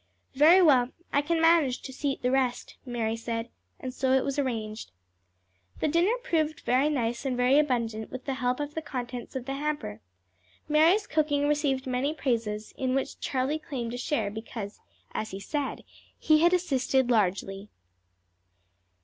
"Very well, I can manage to seat the rest," Mary said; and so it was arranged. The dinner proved very nice and very abundant with the help of the contents of the hamper. Mary's cooking received many praises, in which Charlie claimed a share, because, as he said, he had assisted largely.